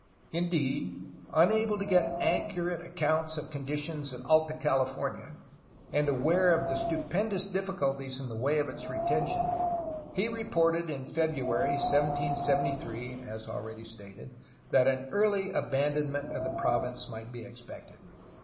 Indeed, unable to get accurate accounts of conditions in Alta California and aware of the stupendous difficulties in the way of its retention, he re ported in February 1773, as already stated, that an early abandonment of the province might be expected.